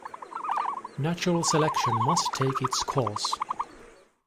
Natural selection must take its course.